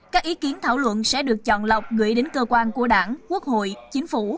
các ý kiến thảo luận sẽ được chọn lọc gửi đến cơ quan của đảng quốc hội chính phủ